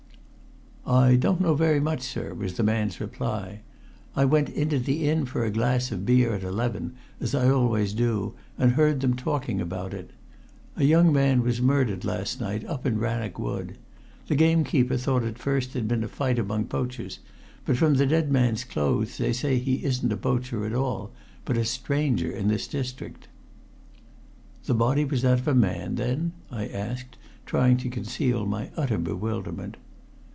"I don't know very much, sir," was the man's reply. "I went into the inn for a glass of beer at eleven, as I always do, and heard them talking about it. A young man was murdered last night up in Rannoch Wood. The gamekeeper thought at first there'd been a fight among poachers, but from the dead man's clothes they say he isn't a poacher at all, but a stranger in this district." "The body was that of a man, then?" I asked, trying to conceal my utter bewilderment.